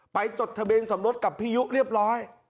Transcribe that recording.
จดทะเบียนสมรสกับพี่ยุเรียบร้อย